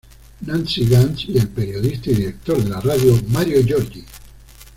Nancy Ganz; y el periodista y director de la radio, Mario Giorgi.